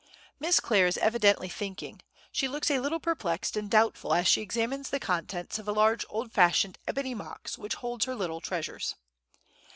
Miss Clare is evidently thinking; she looks a little perplexed and doubtful as she examines the contents of a large old fashioned ebony box which holds her little treasures.